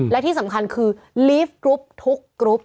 และที่สำคัญคือลีฟกรุ๊ปทุกกรุ๊ป